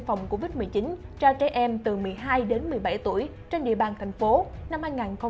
phòng covid một mươi chín cho trẻ em từ một mươi hai đến một mươi bảy tuổi trên địa bàn thành phố năm hai nghìn hai mươi một hai nghìn hai mươi hai